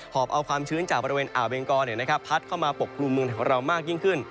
อบเอาความชื้นจากบริเวณอ่าวเบงกอพัดเข้ามาปกกลุ่มเมืองของเรามากยิ่งขึ้น